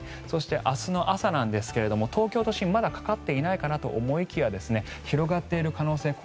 そして、明日の朝なんですが東京都心、まだかかっていないかなと思いきや広がっている可能性